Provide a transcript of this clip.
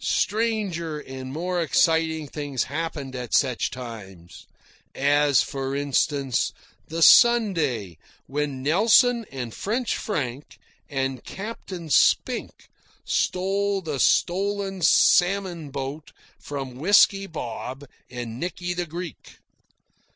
Stranger and more exciting things happened at such times. As, for instance, the Sunday when Nelson and French Frank and Captain Spink stole the stolen salmon boat from Whisky Bob and Nicky the Greek.